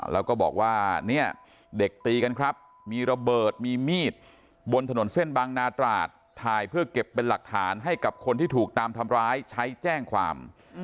แล้วก็บอกว่าเนี่ยเด็กตีกันครับมีระเบิดมีมีดบนถนนเส้นบางนาตราดถ่ายเพื่อเก็บเป็นหลักฐานให้กับคนที่ถูกตามทำร้ายใช้แจ้งความ